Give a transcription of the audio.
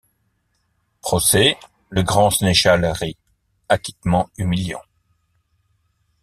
Procès. — Le grand sénéchal rit. — Acquittement humiliant.